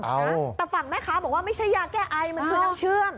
แต่ฝั่งแม่ค้าบอกว่าไม่ใช่ยาแก้ไอมันคือน้ำเชื่อม